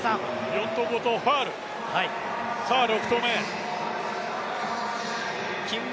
４投、５投、ファウル、さあ、６投目。